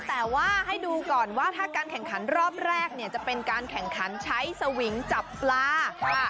แต่ว่าให้ดูก่อนว่าถ้าการแข่งขันรอบแรกเนี่ยจะเป็นการแข่งขันใช้สวิงจับปลาค่ะ